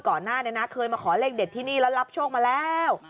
ก่อนหน้านี้นะเคยมาขอเลขเด็ดที่นี่แล้วรับโชคมาแล้ว